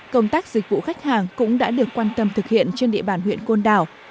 công tác dịch vụ khách hàng cũng đã được quan tâm thực hiện trên địa bàn huyện côn đảo